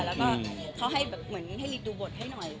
แล้วก็เขาให้แบบเหมือนให้รีบดูบทให้หน่อย